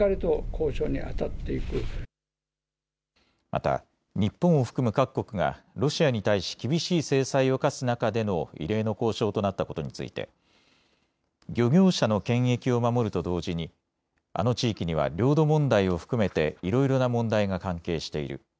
また、日本を含む各国がロシアに対し厳しい制裁を科す中での異例の交渉となったことについて漁業者の権益を守ると同時にあの地域には領土問題を含めていろいろな問題が関係している。